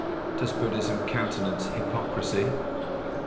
_Does Buddhism countenance hypocrisy?